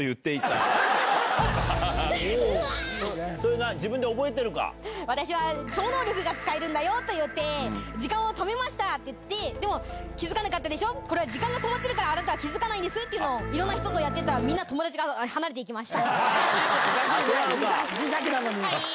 それな、私は超能力が使えるんだよと言って、時間を止めました！と言って、でも気付かなかったでしょ、これは時間が止まってるから、あなたは気付かないんですっていうのを、いろんな人とやってたら、みんな友達が離れていきました。